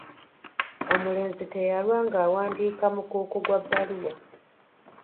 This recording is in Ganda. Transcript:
Omulenzi teyalwa ng’awandiika mukuuku gwa bbaluwa.